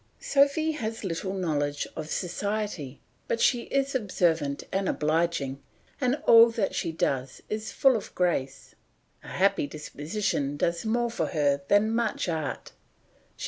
Sophy has little knowledge of society, but she is observant and obliging, and all that she does is full of grace. A happy disposition does more for her than much art.